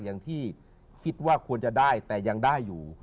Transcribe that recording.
อย่างที่คิดว่าควรจะได้แต่ยังได้อยู่